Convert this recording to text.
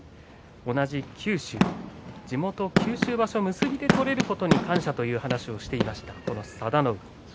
同じ九州、地元九州場所、結びで取れることに感謝という話をしていました佐田の海。